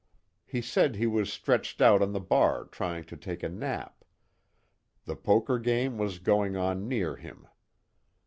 He said he was stretched out on the bar trying to take a nap. The poker game was going on near him.